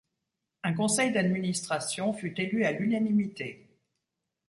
Un conseil d'administration fut élu à l'unanimité.